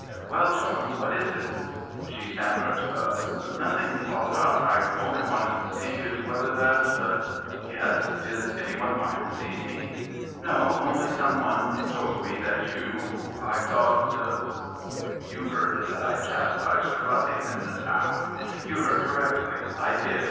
"Well, Joan, what is it?" She stammered, "Nothing, father. I only wanted to see whether that " "Yes? Is any one wanting to see me?" "No only some one told me that you...I thought " "You heard that I chastised a ruffian in the town? You heard correctly. I did.